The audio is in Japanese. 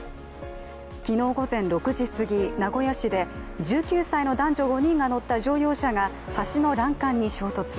昨日午前６時すぎ、名古屋市で１９歳の男女５人が乗った乗用車が橋の欄干に衝突。